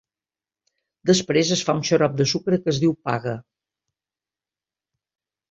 Després es fa un xarop de sucre que es diu "paga".